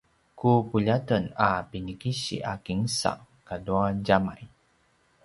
ku puljaten a pinikisi a kinsa katua djamay